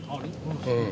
うん。